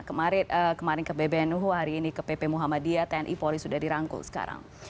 kemarin ke bbnuhu hari ini ke ppmuhammadiyah tni polis sudah dirangkul sekarang